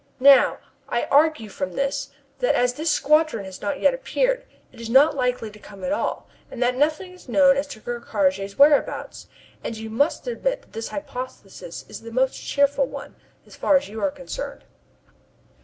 Now, I argue from this that as this squadron has not yet appeared, it is not likely to come at all, and that nothing is known as to Ker Karraje's whereabouts, and you must admit that this hypothesis is the most cheerful one, as far as you are concerned."